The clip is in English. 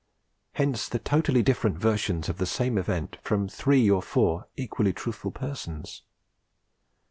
Hence the totally different versions of the same event from three or four equally truthful persons.